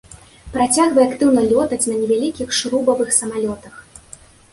Працягвае актыўна лётаць на невялікіх шрубавых самалётах.